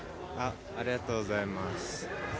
ありがとうございます。